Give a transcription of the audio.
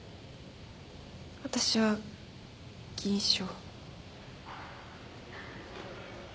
私は銀賞。